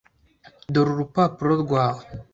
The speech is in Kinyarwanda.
Dore urupapuro rwawe.